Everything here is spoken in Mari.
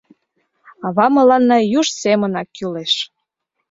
Ава мыланна юж семынак кӱлеш.